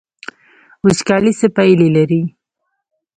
وچکالي څه پایلې لري؟